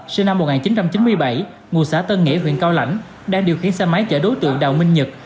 sinh năm một nghìn chín trăm chín mươi bảy ngụ xã tân nghĩa huyện cao lãnh đang điều khiển xe máy chở đối tượng đào minh nhật